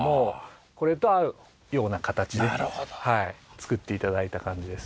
造って頂いた感じです。